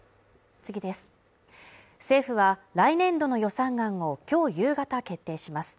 政府は来年度の予算案をきょう夕方決定します